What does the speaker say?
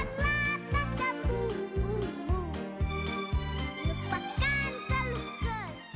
perkaryalah anak anak indonesia